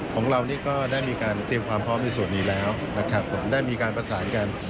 ของเรานี่ก็ได้มีการเตรียมความพร้อมในส่วนนี้แล้วนะครับผมได้มีการประสานกัน